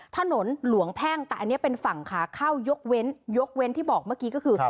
ถนนหลวงแพ่งแต่อันนี้เป็นฝั่งขาเข้ายกเว้นยกเว้นที่บอกเมื่อกี้ก็คือ